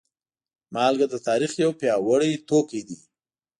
مالګه د تاریخ یو پیاوړی توکی دی.